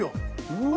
うわ。